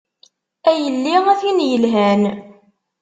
A yelli a tin yelhan.